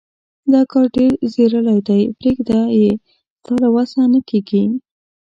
دا کار ډېر څيرلی دی. پرېږده يې؛ ستا له وسه نه کېږي.